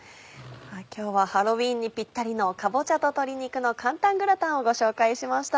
今日はハロウィーンにピッタリの「かぼちゃと鶏肉の簡単グラタン」をご紹介しました。